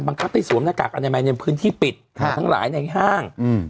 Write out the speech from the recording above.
บังคับให้สวมหน้ากากอันนี้ไหมในพื้นที่ปิดทั้งหลายในห้างอืม